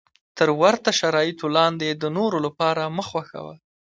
تر ورته شرایطو لاندې یې د نورو لپاره مه خوښوه.